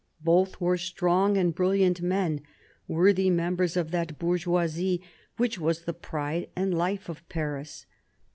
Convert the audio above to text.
Both were strong and brilliant men worthy members of that bourgeoisie which was the pride and life of Paris.